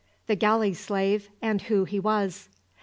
THE GALLEY SLAVE, AND WHO HE WAS.